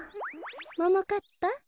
ももかっぱ